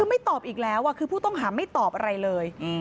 คือไม่ตอบอีกแล้วคือผู้ต้องหาไม่ตอบอะไรเลย